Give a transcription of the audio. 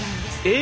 え！